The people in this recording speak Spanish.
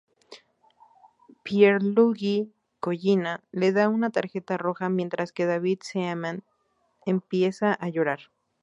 Pierluigi Collina le da una tarjeta roja, mientras que David Seaman empieza a llorar.